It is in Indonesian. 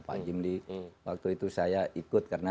pak jimli waktu itu saya ikut karena